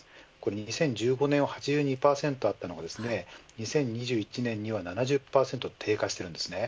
２０１５年は８２％あったのが２０２１年には７０％に低下しているんです。